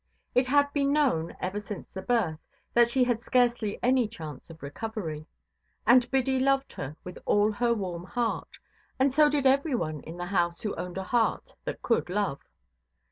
It had been known, ever since the birth, that she had scarcely any chance of recovery. And Biddy loved her with all her warm heart, and so did every one in the house who owned a heart that could love.